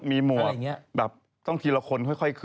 มีหมวกแบบต้องทีละคนค่อยขึ้น